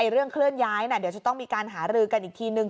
เรื่องเคลื่อนย้ายเดี๋ยวจะต้องมีการหารือกันอีกทีนึง